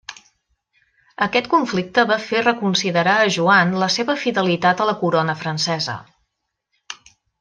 Aquest conflicte va fer reconsiderar a Joan la seva fidelitat a la corona francesa.